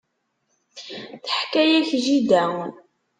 Teḥka-ak jida.